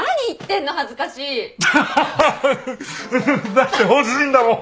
だって欲しいんだもん